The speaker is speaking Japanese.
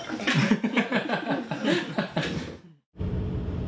ハハハハハ！